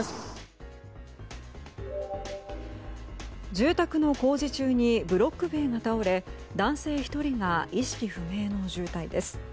住宅の工事中にブロック塀が倒れ男性１人が意識不明の重体です。